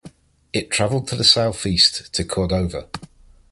It traveled to the southeast to Cordova.